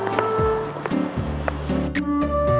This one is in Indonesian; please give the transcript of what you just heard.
sampai jumpa lagi